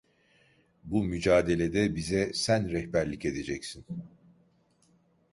Bu mücadelede bize sen rehberlik edeceksin!